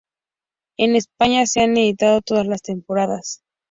En España se han editado todas las temporadas.